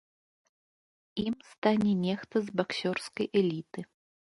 Ім стане нехта з баксёрскай эліты.